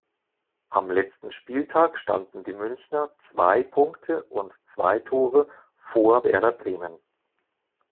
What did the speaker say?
Am letzten Spieltag standen die Münchner zwei Punkte und zwei Tore vor Werder Bremen.